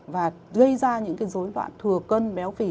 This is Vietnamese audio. và gây ra những cái dối loạn thừa cân béo phì